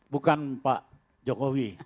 bukan pak jokowi